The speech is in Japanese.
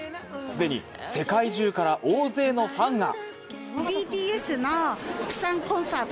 既に世界中から大勢のファンが。